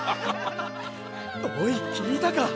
おい聞いたか？